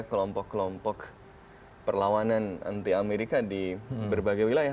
kelompok kelompok perlawanan anti amerika di berbagai wilayah